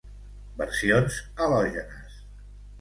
Versions halògenes.